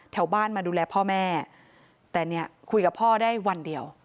แถวบ้านมาดูแลพ่อแม่แต่เนี่ยคุยกับพ่อได้วันเดียว